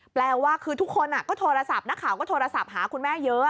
แปลว่าคือทุกคนก็โทรศัพท์นักข่าวก็โทรศัพท์หาคุณแม่เยอะ